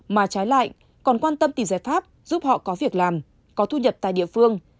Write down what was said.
mà trái lại còn quan tâm tìm giải pháp giúp họ có việc làm có thu nhập tại địa phương